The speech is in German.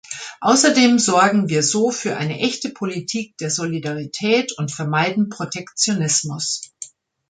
Außerdem sorgen wir so für eine echte Politik der Solidarität und vermeiden Protektionismus.